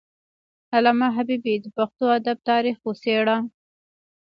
علامه حبيبي د پښتو ادب تاریخ وڅیړه.